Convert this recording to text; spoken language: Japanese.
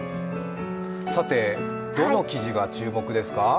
どの記事が注目ですか？